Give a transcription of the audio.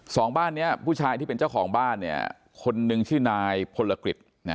สองบ้านนี้ผู้ชายที่เป็นเจ้าของบ้านเนี่ยคนนึงชื่อนายพลกฤษ